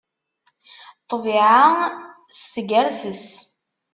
Ṭṭbiɛa s teggerses.